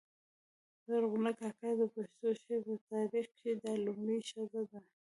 زرغونه کاکړه د پښتو شعر په تاریخ کښي دا لومړۍ ښځه ده.